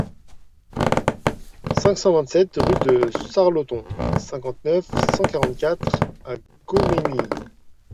cinq cent vingt-sept rue du Sarloton, cinquante-neuf, cent quarante-quatre à Gommegnies